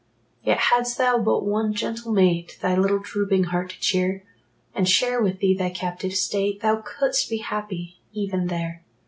Yet, hadst thou but one gentle mate Thy little drooping heart to cheer, And share with thee thy captive state, Thou couldst be happy even there.